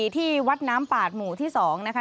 ที่วัดน้ำปาดหมู่ที่๒นะคะ